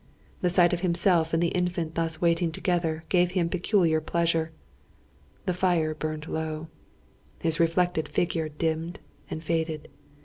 The sight of himself and the Infant thus waiting together, gave him peculiar pleasure. The fire burned low. His reflected figure dimmed and faded.